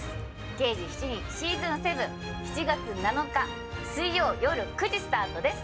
『刑事７人ｓｅａｓｏｎ７』７月７日水曜よる９時スタートです。